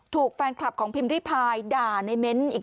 ถูกแฟนคลับของพิมพ์ริพายด่าในเม้นต์อีก